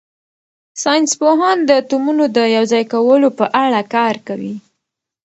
ساینس پوهان د اتومونو د یوځای کولو په اړه کار کوي.